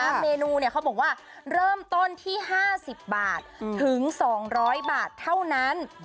เมนูเนี่ยเขาบอกว่าเริ่มต้นที่๕๐บาทถึง๒๐๐บาทเท่านั้น